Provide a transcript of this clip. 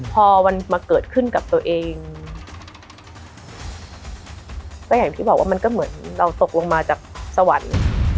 พอมันมาเกิดขึ้นกับตัวเองก็อย่างที่บอกว่ามันก็เหมือนเราตกลงมาจากสวรรค์